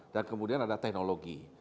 dan kemudian ada teknologi